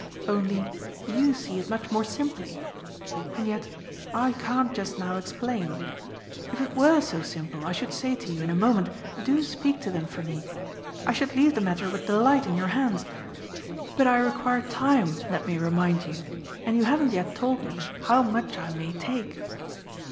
Only YOU see it much more simply and yet I can't just now explain. If it WERE so simple I should say to you in a moment 'do speak to them for me' I should leave the matter with delight in your hands. But I require time, let me remind you, and you haven't yet told me how much I may take."